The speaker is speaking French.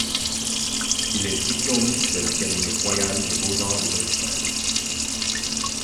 Il est diplômé de l’Académie Royale des Beaux-Arts de Bruxelles.